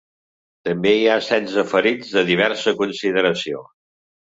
També hi ha setze ferits de diversa consideració.